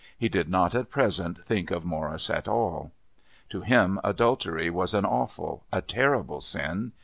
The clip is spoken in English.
He did not at present think of Morris at all. To him adultery was an awful, a terrible sin.